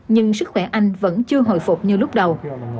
nhưng sức khỏe anh vẫn chưa hồi phục như lúc đầu